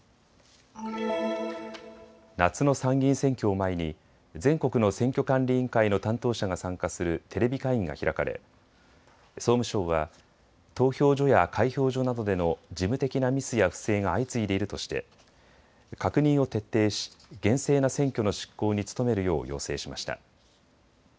夏の参議院選挙を前に全国の選挙管理委員会の担当者が参加するテレビ会議が開かれ総務省は投票所や開票所などでの事務的なミスや不正が相次いでいるとして確認を徹底し厳正な選挙の執行に努めるよう要請しました。